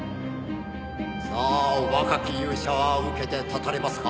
「さあ若き勇者は受けて立たれますか？」